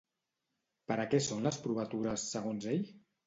Per a què són les provatures segons ell?